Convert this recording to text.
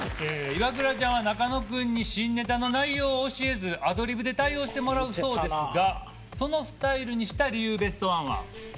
イワクラちゃんは中野君に新ネタの内容を教えずアドリブで対応してもらうそうですがそのスタイルにした理由ベストワンは？